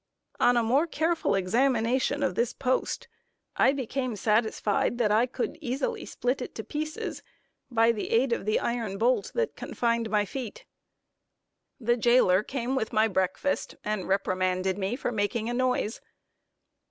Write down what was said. On a more careful examination of this post, I became satisfied that I could easily split it to pieces, by the aid of the iron bolt that confined my feet. The jailer came with my breakfast, and reprimanded me for making a noise.